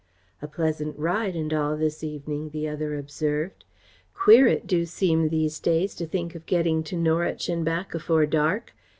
"A pleasant ride and all this evening," the other observed. "Queer it do seem these days to think of getting to Norwich and back afore dark.